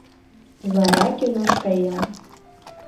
— Вара кинош каем.